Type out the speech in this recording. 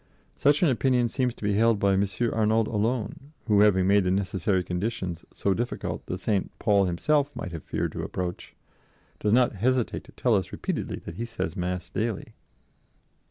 Such an opinion seems to be held by M. Arnauld alone, who, having made the necessary conditions so difficult that St. Paul himself might have feared to approach, does not hesitate to tell us repeatedly that he says Mass daily."